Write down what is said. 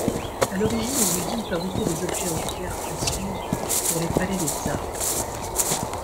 À l’origine l’usine fabriquait des objets en pierres précieuses pour les palais des Tsars.